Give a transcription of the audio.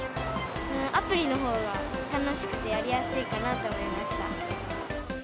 アプリのほうが楽しくてやりやすいかなと思いました。